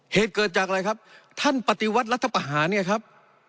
เหตุเกิดจากอะไรครับท่านปฏิวัติรัฐประหารเนี่ยครับ